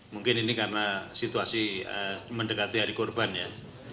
mungkin ini karena situasi mendekati hari korban ya